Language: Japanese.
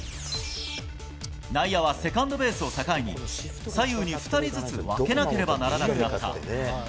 内野はセカンドベースを境に、左右に２人ずつ分けなければならなくなった。